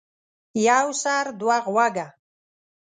يو سر ،دوه غوږه.